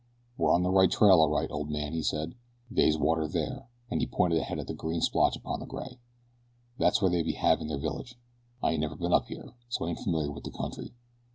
"We're on the right trail all right, old man," he said. "They's water there," and he pointed ahead at the green splotch upon the gray. "That's where they'd be havin' their village. I ain't never been up here so I ain't familiar with the country.